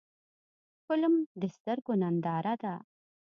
فلم د سترګو ننداره ده